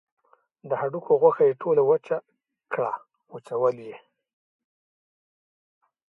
د هډوکو غوښه یې ټوله وچه کړه وچول یې.